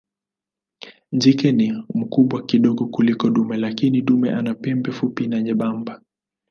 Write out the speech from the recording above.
Jike ni mkubwa kidogo kuliko dume lakini dume ana pembe fupi na nyembamba.